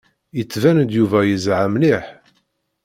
Yettban-d Yuba yezha mliḥ.